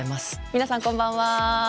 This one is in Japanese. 皆さんこんばんは。